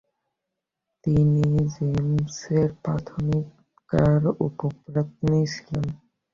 তিনি জেমসের প্রথমদিককার উপপত্নী ছিলেন।